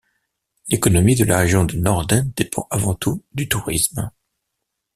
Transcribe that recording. L'économie de la région de Norden dépend avant tout du tourisme.